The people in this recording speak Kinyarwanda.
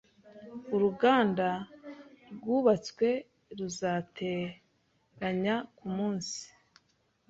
Uruganda rwubatswe ruzateranya kumunsi